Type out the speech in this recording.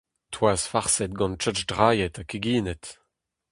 Toaz farset gant kig drailhet ha keginet.